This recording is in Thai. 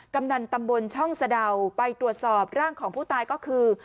กำนันตำบลช่องสะดาวไปตรวจสอบร่างของผู้ตายก็คือ